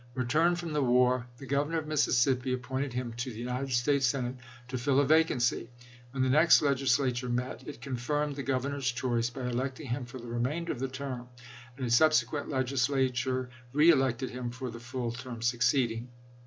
Returned from the war, the Governor of Mississippi appointed him to the United States Senate to fill a vacancy. When the next Legisla ture met, it confirmed the Governor's choice by electing him for the remainder of the term; and a subsequent Legislature reelected him for the full term succeeding.